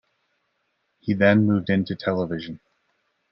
He then moved into television.